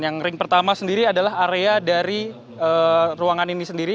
yang ring pertama sendiri adalah area dari ruangan ini sendiri